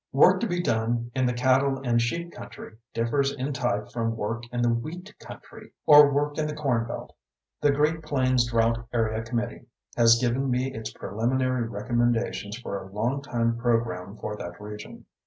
Work to be done in the cattle and sheep country differs in type from work in the wheat country or work in the corn belt. The Great Plains Drought Area Committee has given me its preliminary recommendations for a long time program for that region.